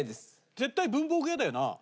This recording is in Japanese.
絶対文房具屋だよな？